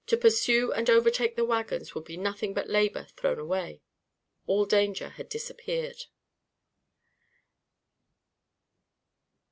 To pursue and overtake the wagons would be nothing but labor thrown away. All danger had disappeared.